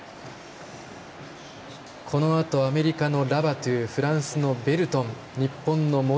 このあと、アメリカのラバトゥフランスのベルトン日本の森